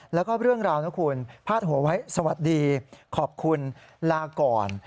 แล้วก็เรื่องราวนะคุณพาดหัวไว้สวัสดีขอบคุณลาก่อน